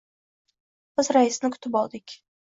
Biz raisni kutib oldik.